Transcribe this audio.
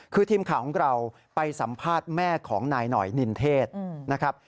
คือทีมข่าวของเราไปสัมภาษณ์แม่ของนายหน่อยนินเทศนะครับ